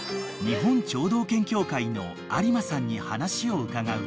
［日本聴導犬協会の有馬さんに話を伺うと］